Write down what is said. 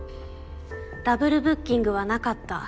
ダブルブッキングはなかった。